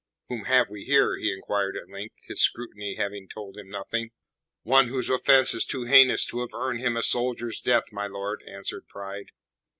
"Whom have we here?" he inquired at length, his scrutiny having told him nothing. "One whose offence is too heinous to have earned him a soldier's death, my lord," answered Pride.